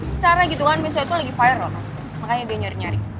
secara gitu kan biasanya itu lagi viral loh makanya dia nyari nyari